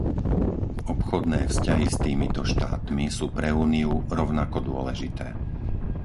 Obchodné vzťahy s týmito štátmi sú pre Úniu rovnako dôležité.